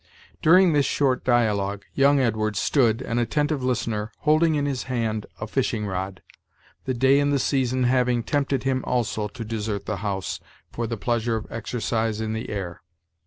During this short dialogue, young Edwards stood, an attentive listener, holding in his hand a fishing rod, the day and the season having tempted him also to desert the house for the pleasure of exercise in the air.